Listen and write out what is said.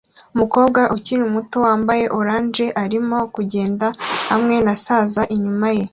Umukobwa ukiri muto wambaye orange arimo kugenda hamwe na saza inyuma ye